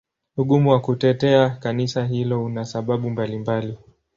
Ugumu wa kutetea Kanisa hilo una sababu mbalimbali.